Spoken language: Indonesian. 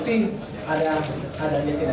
kiki dianggap ikut bertanggung jawab atas kegagalan